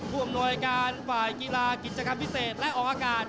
อำนวยการฝ่ายกีฬากิจกรรมพิเศษและออกอากาศ